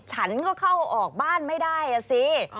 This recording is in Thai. ฉันก็เข้าออกบ้านไม่ได้อ่ะสิ